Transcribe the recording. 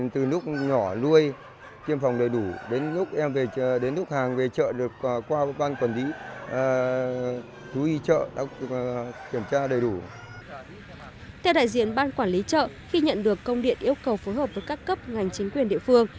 theo đại diện ban quản lý chợ khi nhận được công điện yêu cầu phối hợp với các cấp ngành chính quyền địa phương